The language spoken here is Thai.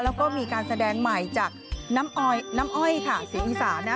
แล้วก็มีการแสดงใหม่จากน้ำอ้อยน้ำอ้อยค่ะเสียงอีสานนะ